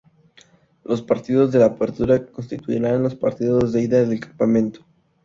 Los partidos del Apertura constituirán los partidos de ida del campeonato.